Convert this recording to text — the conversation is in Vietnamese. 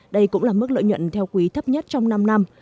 đây cũng là mức lợi nhuận theo quý thấp nhất trong năm năm